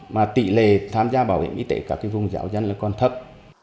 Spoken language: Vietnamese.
mà tỷ lệ tham gia bảo hiểm y tế các vùng giáo dân là còn thấp